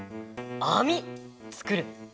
あみつくる。